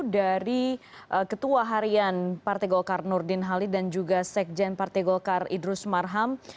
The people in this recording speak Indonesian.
dari ketua harian partai golkar nurdin halid dan juga sekjen partai golkar idrus marham